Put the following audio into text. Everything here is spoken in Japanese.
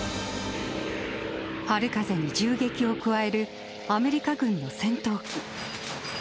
春風に銃撃を加えるアメリカ軍の戦闘機。